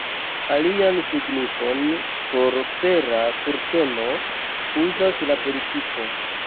Alian signifon por fera kurteno uzas la politiko.